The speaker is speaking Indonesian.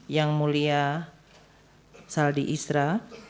yang mulia saldi isra